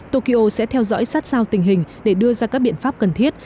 tokyo sẽ theo dõi sát sao tình hình để đưa ra các biện pháp cần thiết